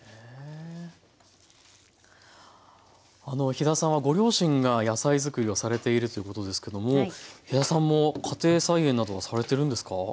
あの飛田さんはご両親が野菜作りをされているってことですけども飛田さんも家庭菜園などはされてるんですか？